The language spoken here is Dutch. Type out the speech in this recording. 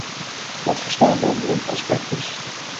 Wat verstaan we onder een prospectus?